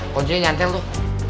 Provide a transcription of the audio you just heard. kocinya nyantel tuh